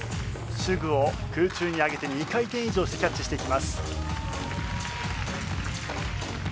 手具を空中に上げて２回転以上してキャッチしていきます。